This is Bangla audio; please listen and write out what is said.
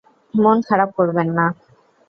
মন খারাপ করবেন না।